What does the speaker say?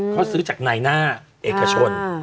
เขาซื้อจากนายหน้าเอกชน